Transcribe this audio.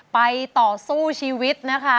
ไปต่อสู้ชีวิตนะคะ